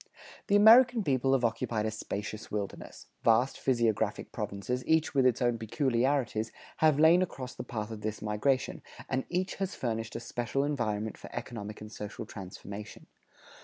The American people have occupied a spacious wilderness; vast physiographic provinces, each with its own peculiarities, have lain across the path of this migration, and each has furnished a special environment for economic and social transformation.